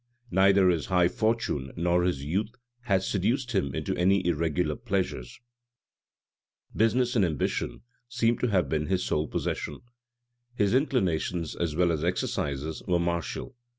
Neither his high fortune, nor his youth, had seduced him into any irregular pleasures: business and ambition seem to have been his sole passion. His inclinations, as well as exercises, were martial.